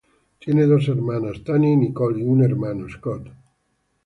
Tiene dos hermanas, Tania y Nicole, y un hermano, Scott.